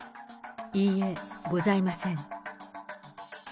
いいえ、ございません。